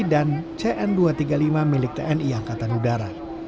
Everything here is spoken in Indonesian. dan c dua ratus tiga puluh lima milik tni angkatan udara